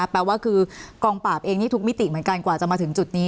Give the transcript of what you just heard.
แปลว่ากองปลาบเองทุกมิติเหมือนกัน